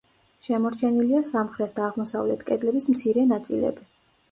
შემორჩენილია სამხრეთ და აღმოსავლეთ კედლების მცირე ნაწილები.